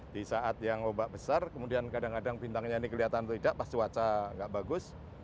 di saat yang ombak besar kemudian kadang kadang bintangnya ini kelihatan atau tidak pas cuaca nggak bagus